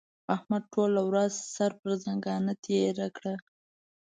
احمد ټوله ورځ سر پر ځنګانه تېره کړه.